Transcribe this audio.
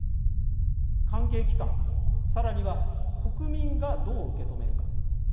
関係機関さらには国民はどう受け止めるか。